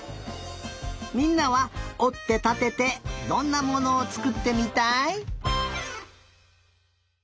みんなはおってたててどんなものをつくってみたい？